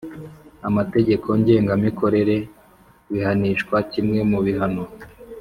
amategeko ngengamikorere bihanishwa kimwe mu bihano